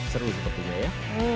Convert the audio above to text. seru sepertinya ya